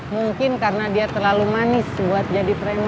mungkin karena dia terlalu manis buat jadi trend